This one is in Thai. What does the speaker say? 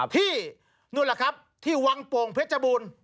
ที่นู่นแหละครับที่วังโป่งเพชรบูรณ์